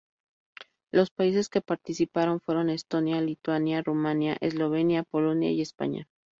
Los países que participaron fueron: Estonia, Lituania, Rumania, Eslovenia, Polonia y España.